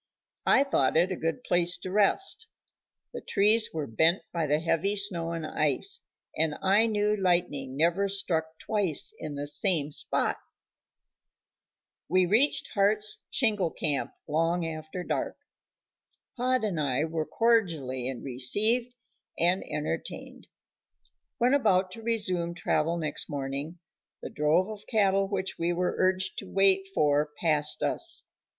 I thought it a good place to rest; the trees were bent by the heavy snow and ice, and I knew lightning never struck twice in the same spot. We reached Hart's shingle camp long after dark. Pod and I were cordially received and entertained. When about to resume travel next morning the drove of cattle which we were urged to wait for passed us.